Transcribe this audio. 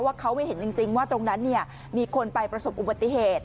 เขาไม่เห็นจริงว่าตรงนั้นมีคนไปประสบอุบัติเหตุ